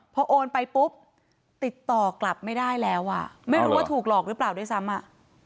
พอโอนไปปุ๊บติดต่อกลับไม่ได้แล้วอ่ะไม่รู้ว่าถูกหลอกหรือเปล่าด้วยซ้ำอ่ะ